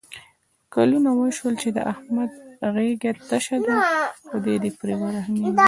کلونه وشول چې د احمد غېږه تشه ده. خدای دې پرې ورحمېږي.